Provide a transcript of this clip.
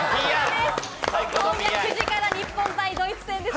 今夜９時から日本対ドイツ戦です。